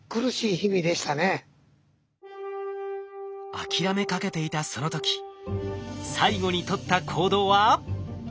諦めかけていたその時最後に取った行動は。